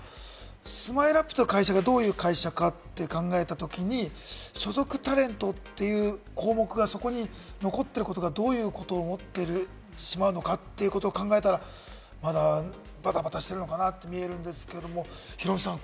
ＳＭＩＬＥ‐ＵＰ．という会社がどういう会社かって考えたときに、所属タレントという項目がそこに残ってることがどういうことを思ってしまうのかということを考えたら、まだバタバタしてるのかなって見えるんですけれども、ヒロミさん